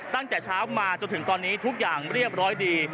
ตั้งแต่เช้ามาจนถึงตอนนี้ทุกอย่างเรียบร้อยดี